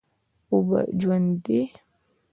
اوبه ژوند دي.